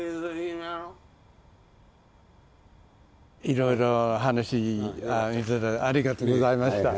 いろいろ話ありがとうございました。